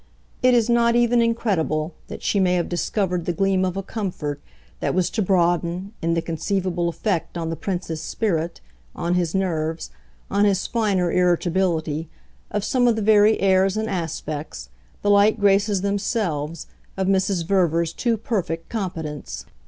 It is not even incredible that she may have discovered the gleam of a comfort that was to broaden in the conceivable effect on the Prince's spirit, on his nerves, on his finer irritability, of some of the very airs and aspects, the light graces themselves, of Mrs. Verver's too perfect competence.